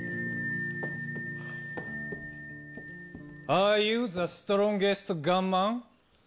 アーユーザストロンゲストガンマン？